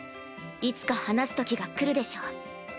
いつか話すときが来るでしょう。